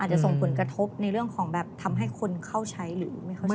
จะส่งผลกระทบในเรื่องของแบบทำให้คนเข้าใช้หรือไม่เข้าใจ